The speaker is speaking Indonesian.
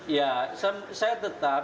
ya saya tetap